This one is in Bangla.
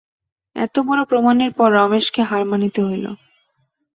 এতবড়ো প্রমাণের পর রমেশকে হার মানিতে হইল।